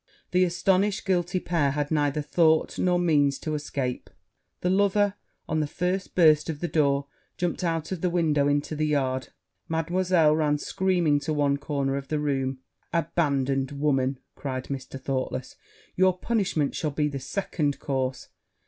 The astonished guilty pair had neither thought nor means to escape; the lover, on the first burst of the door, jumped out of the window into the yard Mademoiselle ran screaming to one corner of the room. 'Abandoned woman!' cried Thoughtless, 'your punishment shall be the second course!'